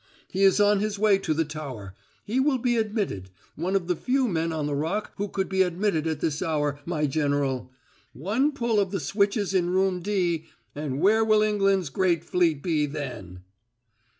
He is on his way to the tower. He will be admitted one of the few men on the Rock who could be admitted at this hour, my General. One pull of the switches in Room D and where will England's great fleet be then?"